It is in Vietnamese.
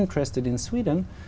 từ một nhìn tư vấn